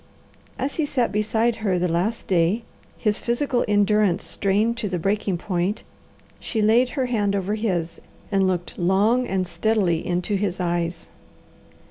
As he sat beside her the last day, his physical endurance strained to the breaking point, she laid her hand over his, and looked long and steadily into his eyes.